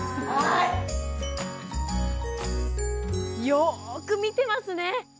よく見てますね。